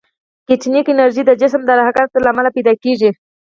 کینیتیک انرژي د جسم د حرکت له امله پیدا کېږي.